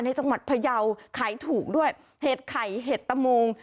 จังหวัดพยาวขายถูกด้วยเห็ดไข่เห็ดตะโมง